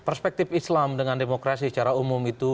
perspektif islam dengan demokrasi secara umum itu